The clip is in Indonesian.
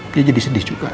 dia jadi sedih juga